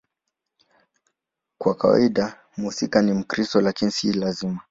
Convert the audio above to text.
Kwa kawaida mhusika ni Mkristo, lakini si lazima.